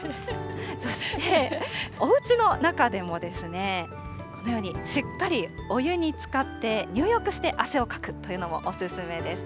そしておうちの中でもですね、このように、しっかりお湯につかって、入浴して汗をかくというのもお勧めです。